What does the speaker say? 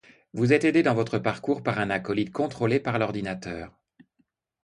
Vous êtes aidé dans votre parcourt par un acolyte contrôlé par l'ordinateur.